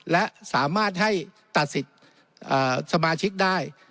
และสามารถให้ตัดสิทธิ์สมาชิกได้